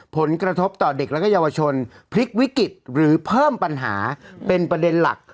ผลกระทบต่อเด็กและเยาวชนพลิกวิกฤตหรือเพิ่มปัญหาเป็นประเด็นหลัก